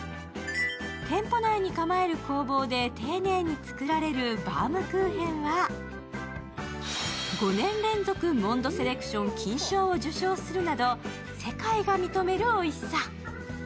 店舗内に構える工房で丁寧に作られるバウムクーヘンは、５年連続モンドセレクション金賞を受賞するなど世界が認めるおいしさ。